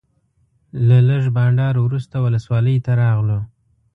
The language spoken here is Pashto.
له لږ بانډار وروسته ولسوالۍ ته راغلو.